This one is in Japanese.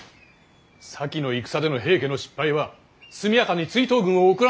先の戦での平家の失敗は速やかに追討軍を送らなかったこと。